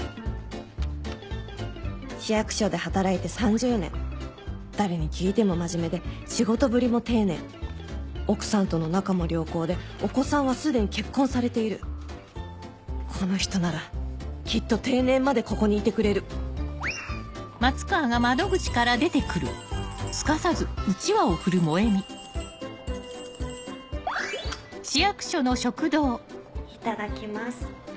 市役所で働いて３０年誰に聞いても真面目で仕事ぶりも丁寧奥さんとの仲も良好でお子さんは既に結婚されているこの人ならきっと定年までここにいてくれるいただきます。